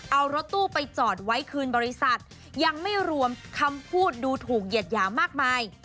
เอารถตู้ไปจอดไว้คืนบริษัทยังไม่รวมคำพูดดูถูกเหยียดหยามมากมาย